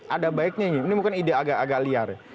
ada baiknya ini bukan ide agak agak liar